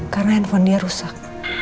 karena handphone dia rusak